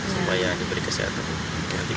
supaya diberi kesehatan